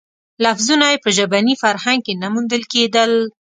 لفظونه یې په ژبني فرهنګ کې نه موندل کېدل.